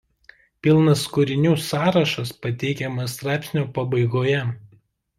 Pilnas kūrinių sąrašas pateikiamas straipsnio pabaigoje.